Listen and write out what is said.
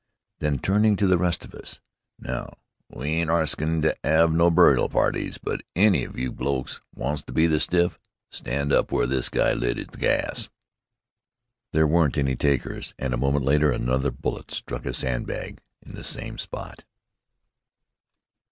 Then, turning to the rest of us, "Now, we ain't arskin' to 'ave no burial parties. But if any of you blokes wants to be the stiff, stand up w'ere this guy lit the gas." There weren't any takers, and a moment later another bullet struck a sandbag in the same spot.